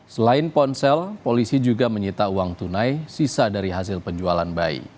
selain ponsel polisi juga menyita uang tunai sisa dari hasil penjualan bayi